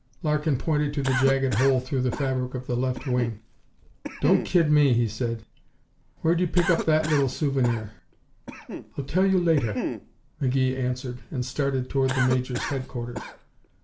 Larkin pointed to the jagged hole through the fabric of the left wing. "Don't kid me!" he said. "Where'd you pick up that little souvenir?" "I'll tell you later," McGee answered and started toward the Major's headquarters.